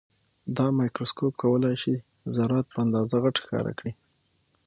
دا مایکروسکوپ کولای شي ذرات په اندازه غټ ښکاره کړي.